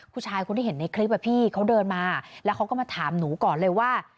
ผู้ชายคนที่เห็นในคลิปอะพี่เขาเดินมาแล้วเขาก็มาถามหนูก่อนเลยว่า